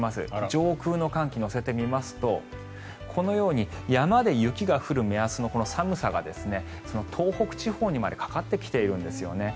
上空の寒気を乗せてみますとこのように山で雪が降る目安のこの寒さが東北地方にまでかかってきているんですよね。